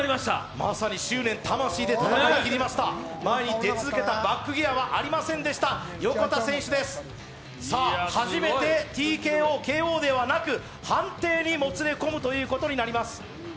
まさに執念、魂で戦い抜きました前に出続けたバックギアはありませんでした横田選手です、初めてＴＫＯではなくＫＯではなく判定にもつれ込むということになります。